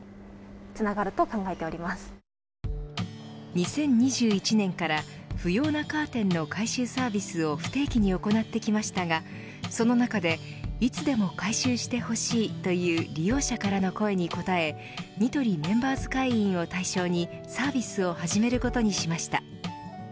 ２０２１年から不要なカーテンの回収サービスを不定期に行ってきましたがその中でいつでも回収してほしいという利用者からの声に応えニトリメンバーズ会員を対象にサービスを始めることにしました。